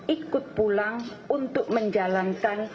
ikut pulang untuk menjalankan